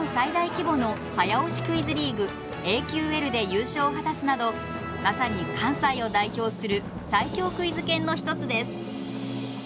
クイズリーグＡＱＬで優勝を果たすなどまさに関西を代表する最強クイズ研の一つです。